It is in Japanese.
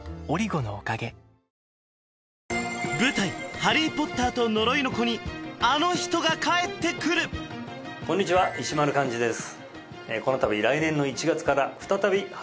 「ハリー・ポッターと呪いの子」にあの人が帰ってくるこんにちは石丸幹二です